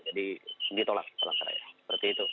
jadi ditolak palangkaraya seperti itu